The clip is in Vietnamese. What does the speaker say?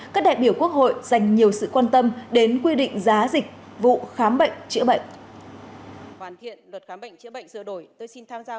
các đại biểu quốc hội dành nhiều sự quan tâm đến quy định giá dịch vụ khám bệnh chữa bệnh